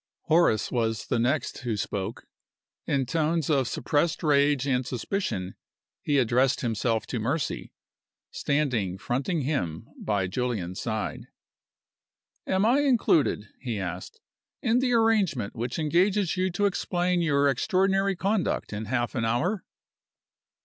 Horace was the next who spoke. In tones of suppressed rage and suspicion he addressed himself to Mercy, standing fronting him by Julian's side. "Am I included," he asked, "in the arrangement which engages you to explain your extraordinary conduct in half an hour?"